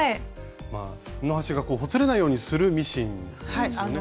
布端がほつれないようにするミシンなんですよね。